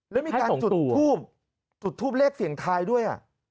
แล้วมีการจุดทูบจุดทูปเลขเสียงทายด้วย